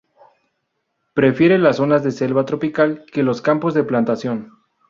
Prefiere las zonas de selva tropical que los campos de plantación.